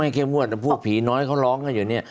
เข้มงวดแต่พวกผีน้อยเขาร้องกันอยู่เนี่ย